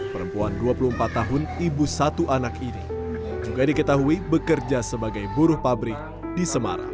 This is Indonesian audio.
perempuan dua puluh empat tahun ibu satu anak ini juga diketahui bekerja sebagai buruh pabrik di semarang